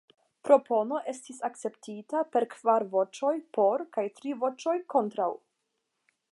Propono estis akceptita per kvar voĉoj "por" kaj tri voĉoj "kontraŭ".